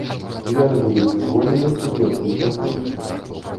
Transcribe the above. Яны будуць звольнены ў першую чаргу.